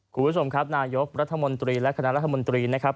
คุณผู้ชมครับนายกรัฐมนตรีและคณะรัฐมนตรีนะครับ